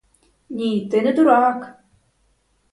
Ні, ти не дурак!